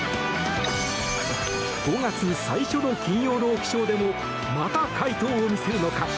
５月最初の金曜ロウキショーでもまた快投を見せるのか。